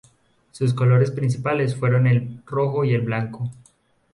Sus colores principales fueron el rojo y el blanco.